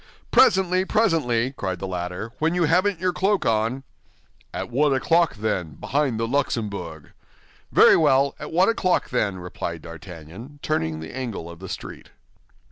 "Presently, presently," cried the latter, "when you haven't your cloak on." "At one o'clock, then, behind the Luxembourg." "Very well, at one o'clock, then," replied D'Artagnan, turning the angle of the street.